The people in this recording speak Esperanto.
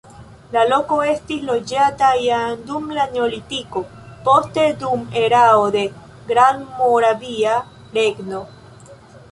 La loko estis loĝata jam dum la neolitiko, poste dum erao de Grandmoravia Regno.